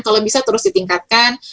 kalau bisa terus ditingkatkan